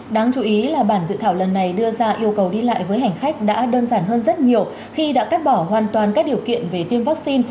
đáng chú ý là bản dự thảo lần này đưa ra yêu cầu đi lại với hành khách đã đơn giản hơn rất nhiều khi đã cắt bỏ hoàn toàn các điều kiện về tiêm vaccine